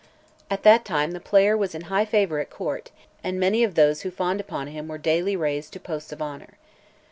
At that time the player was in high favour at court, and many of those who fawned upon him were daily raised to posts of honour.